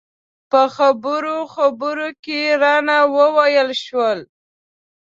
په خبرو خبرو کې رانه وویل شول.